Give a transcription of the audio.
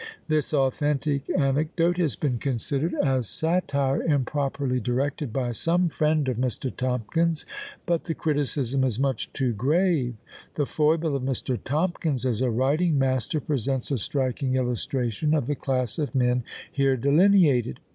This authentic anecdote has been considered as "satire improperly directed" by some friend of Mr. Tomkins but the criticism is much too grave! The foible of Mr. Tomkins as a writing master presents a striking illustration of the class of men here delineated.